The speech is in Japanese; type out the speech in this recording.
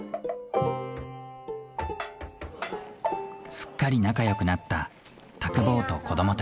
すっかり仲良くなったタクボーと子どもたち。